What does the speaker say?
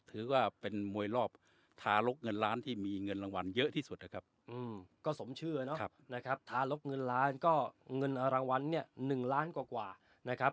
ถือว่าเป็นมวยรอบทารกเงินล้านที่มีเงินรางวัลเยอะที่สุดครับ